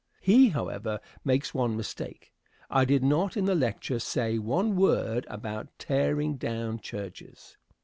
He, however, makes one mistake. I did not in the lecture say one word about tearing down churches.